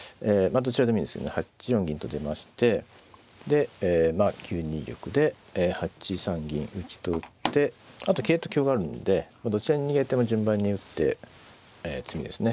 どちらでもいいんですけど８四銀と出ましてでまあ９二玉で８三銀打と打ってあと桂と香があるんでどちらに逃げても順番に打って詰みですね。